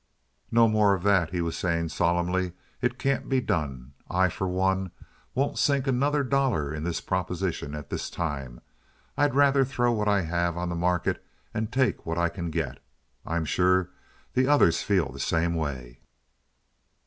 "No more of that," he was saying, solemnly. "It can't be done. I, for one, won't sink another dollar in this proposition at this time. I'd rather throw what I have on the market and take what I can get. I am sure the others feel the same way."